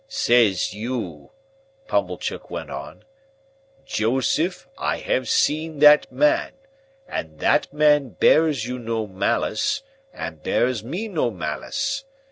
"Says you," Pumblechook went on, "'Joseph, I have seen that man, and that man bears you no malice and bears me no malice.